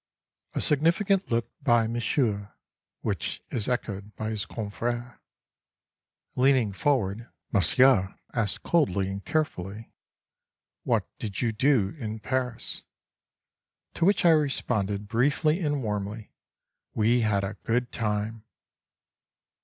A significant look by Monsieur, which is echoed by his confrères. Leaning forward Monsieur asked coldly and carefully: "What did you do in Paris?" to which I responded briefly and warmly: "We had a good time."